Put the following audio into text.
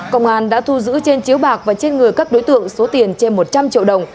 công an đã thu giữ trên chiếu bạc và trên người các đối tượng số tiền trên một trăm linh triệu đồng